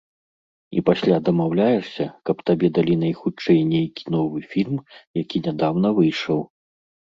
І пасля дамаўляешся, каб табе далі найхутчэй нейкі новы фільм, які нядаўна выйшаў.